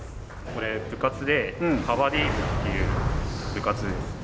これ部活でカバディ部っていう部活です。